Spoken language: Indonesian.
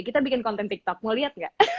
kita bikin konten tiktok mau lihat gak